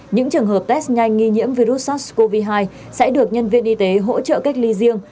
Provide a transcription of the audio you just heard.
những trường hợp test nhanh nghi nhiễm virus sars cov hai sẽ được nhân viên y tế hỗ trợ cách ly riêng